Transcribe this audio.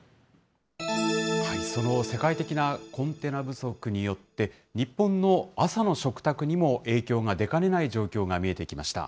その世界的なコンテナ不足によって、日本の朝の食卓にも影響が出かねない状況が見えてきました。